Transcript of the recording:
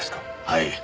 はい。